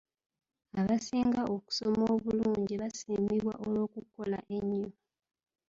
Abasinga okusoma obulungi basiimibwa olw'okukola ennyo.